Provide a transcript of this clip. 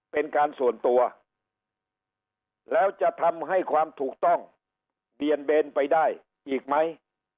เป็นการส่วนตัวแล้วจะทำให้ความถูกต้องเบี่ยงเบนไปได้อีกไหม